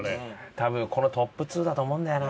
多分このトップ２だと思うんだよな。